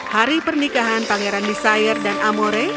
hari pernikahan pangeran desire dan amore